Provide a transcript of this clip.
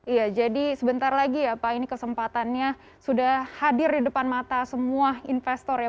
iya jadi sebentar lagi ya pak ini kesempatannya sudah hadir di depan mata semua investor ya